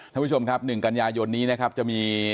ท่านผู้ชมครับ๑กันยายนนี้นะครับจะมี